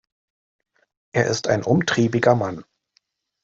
Er ist ein umtriebiger Mann.